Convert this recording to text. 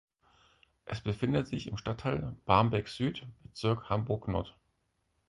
Es befindet sich im Stadtteil Barmbek-Süd, Bezirk Hamburg-Nord.